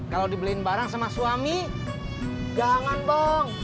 kalau dibeliin bareng sama suami jangan bong